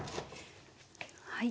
はい。